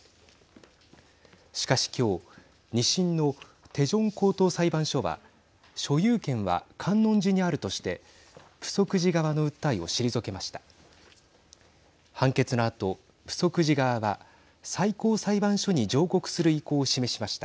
しかし今日２審のテジョン高等裁判所は所有権は観音寺にあるとしてプソク寺側の訴えを退けました。